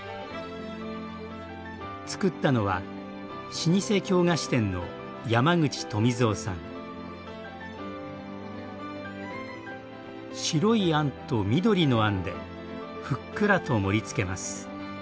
つくったのは老舗京菓子店の白いあんと緑のあんでふっくらと盛りつけます。